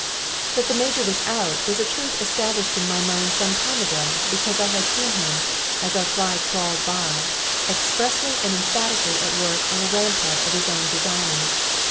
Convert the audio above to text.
That the Major was out was a truth established in my mind some time ago; because I had seen him, as our fly crawled by, expressly and emphatically at work on a rampart of his own designing.